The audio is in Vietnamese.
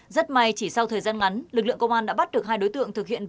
rất may chỉ sau thời gian ngắn lực lượng công an tp mỹ tho đã xây dựng xe